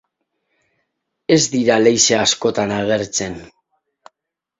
Ez dira leize askotan agertzen.